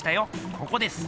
ここです。